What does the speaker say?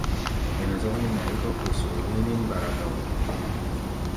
Ɛnɛ zɔ́k nín-a hégɔ́ kosoo héé nín-mgbara ga wo.